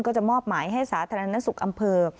ก็จะมอบหมายให้สาธารณสุขอำเภอ